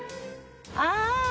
ああ！